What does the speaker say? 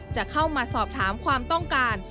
จะเข้ามาสอบถามความต้องการ